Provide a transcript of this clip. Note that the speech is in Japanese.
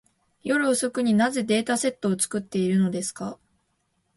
夜遅くに、なぜデータセットを作っているのですか。